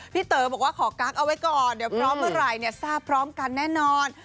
เต๋อบอกว่าขอกั๊กเอาไว้ก่อนเดี๋ยวพร้อมเมื่อไหร่เนี่ยทราบพร้อมกันแน่นอน